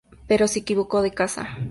Pero se equivocó de casa.